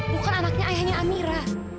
bukan anaknya ayahnya amira